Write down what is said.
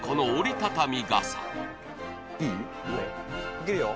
かけるよ？